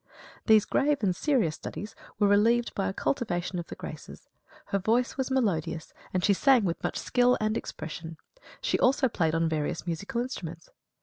These grave and serious studies were relieved by a cultivation of the graces. Her voice was melodious, and she sang with much skill and expression; she also played on various musical instruments.